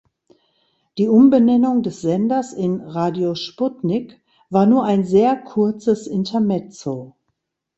Die Umbenennung des Senders in "Radio Sputnik" war nur ein sehr kurzes Intermezzo.